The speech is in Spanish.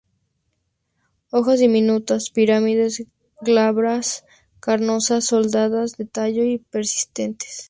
Hojas diminutas, piramidales, glabras, carnosas, soldadas al tallo y persistentes.